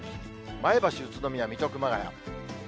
前橋、宇都宮、水戸、熊谷。